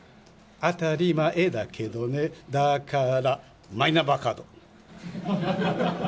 あたりまえだけどね、だから、マイナンバーカード。